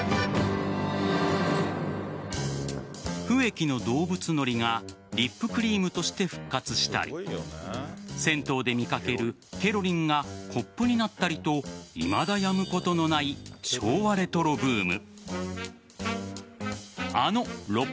フエキのどうぶつのりがリップクリームとして復活したり銭湯で見かけるケロリンがコップになったりといまだやむことのない昭和レトロブーム。